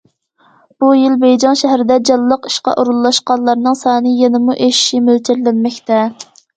بۇ يىل بېيجىڭ شەھىرىدە جانلىق ئىشقا ئورۇنلاشقانلارنىڭ سانى يەنىمۇ ئېشىشى مۆلچەرلەنمەكتە.